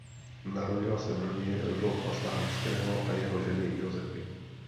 Narodila se v rodině Rudolfa Slánského a jeho ženy Josefy.